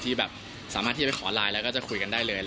ที่แบบสามารถที่จะไปขอไลน์แล้วก็จะคุยกันได้เลย